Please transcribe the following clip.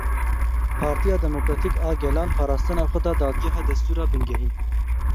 Partiya Demokratîk a Gelan parastina xwe da Dadgeha Destûra Bingehîn.